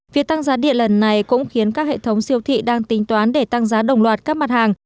việc tăng giá điện lần này cũng khiến các hệ thống siêu thị đang tính toán để tăng giá đồng loạt các mặt hàng